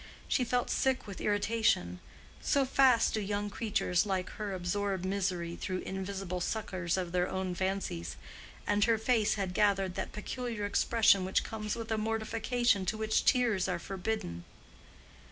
She felt sick with irritation—so fast do young creatures like her absorb misery through invisible suckers of their own fancies—and her face had gathered that peculiar expression which comes with a mortification to which tears are forbidden.